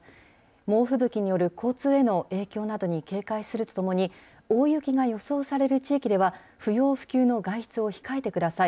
猛吹雪による交通への影響などに警戒するとともに、大雪が予想される地域では、不要不急の外出を控えてください。